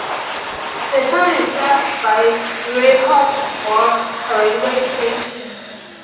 The town is served by Rehoboth railway station.